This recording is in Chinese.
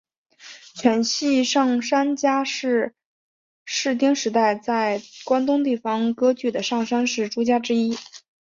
犬悬上杉家是室町时代在关东地方割据的上杉氏诸家之一。